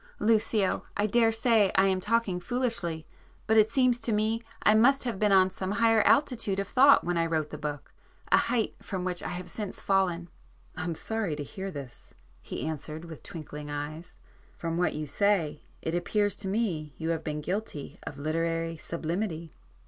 Lucio, I daresay I am talking foolishly,—but it seems to me I must have been on some higher altitude of thought when I wrote the book,—a height from which I have since fallen." "I'm sorry to hear this," he answered, with twinkling eyes—"From what you say it appears to me you have been guilty of literary sublimity.